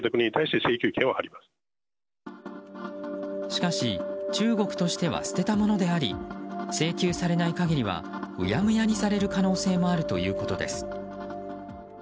しかし、中国としては捨てたものであり請求されない限りはうやむやにされる可能性もあるということです。